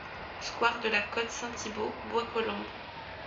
Square de la Côte Saint-Thibault, Bois-Colombes